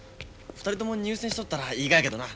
２人とも入選しとったらいいがやけどな。